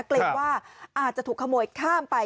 เกรงว่าอาจจะถูกขโมยข้ามไป